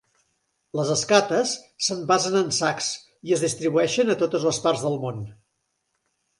Les escates s'envasen en sacs i es distribueixen a totes les parts del món.